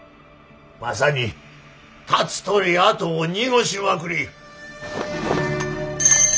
まさに「立つ鳥跡を濁しまくり」。